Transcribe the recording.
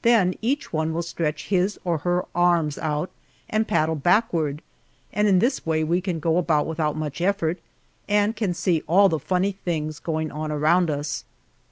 Then each one will stretch his or her arms out and paddle backward, and in this way we can go about without much effort, and can see all the funny things going on around us.